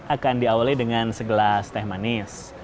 akan diawali dengan segelas teh manis